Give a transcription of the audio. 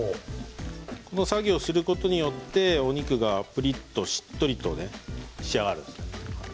この作業をすることによってお肉がプリっとしっとりと仕上がる。